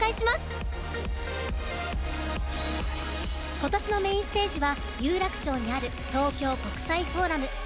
今年のメインステージは有楽町にある東京国際フォーラム。